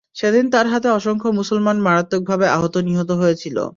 সেদিন তার হাতে অসংখ্য মুসলমান মারাত্মকভাবে আহত-নিহত হয়েছিল।